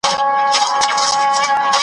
د سهار باده تازه نسیمه ,